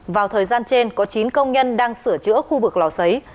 vào thời gian trên có chín công nhân đang sửa chữa khu vực lò xấy